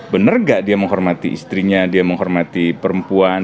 benar nggak dia menghormati istrinya dia menghormati perempuan